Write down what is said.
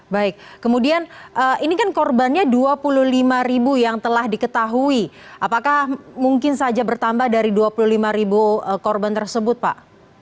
baik kemudian ini kan korbannya dua puluh lima ribu yang telah diketahui apakah mungkin saja bertambah dari dua puluh lima ribu korban tersebut pak